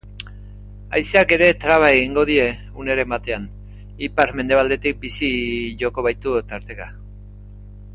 Haizeak ere traba egingo die uneren batean, ipar-mendebaldetik bizi joko baitu tarteka.